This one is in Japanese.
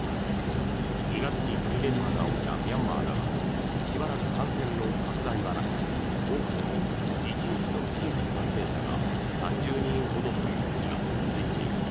２月にクーデターが起きたミャンマーだがしばらく感染の拡大はなく多くても１日の新規感染者が３０人ほどという日が続いていた。